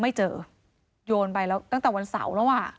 ไม่เจอโยนไปแล้วตั้งแต่วันเสาร์แล้วอ่ะ